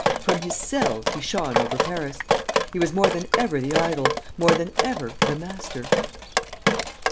From his cell he shone over Paris. He was more than ever the idol, more than ever the master.